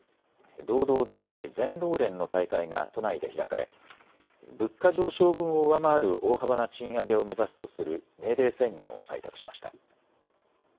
労働団体、全労連の大会が都内で開かれ物価上昇分を上回る大幅な賃上げを目指すとするメーデー宣言を採択しました。